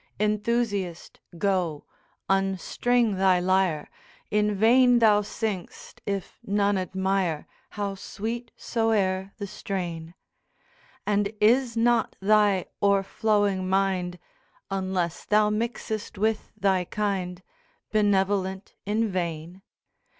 'Enthusiast go, unstring thy lyre, In vain thou sing'st if none admire, How sweet soe'er the strain, And is not thy o'erflowing mind, Unless thou mixest with thy kind, Benevolent in vain?